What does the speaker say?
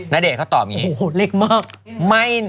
นาเดตเขาตอบอย่างนี้